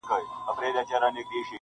o او پوښتني نه ختمېږي هېڅکله,